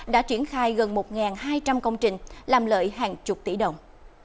đã triển khai gần một hai trăm linh công trình làm lợi hàng chục tỷ đồng